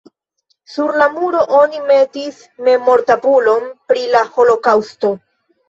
Sur la muro oni metis memortabulon pri la holokaŭsto.